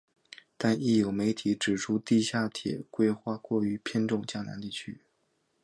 但亦有媒体指出地下铁规划过于偏重江南地区。